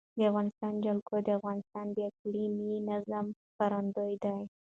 د افغانستان جلکو د افغانستان د اقلیمي نظام ښکارندوی ده.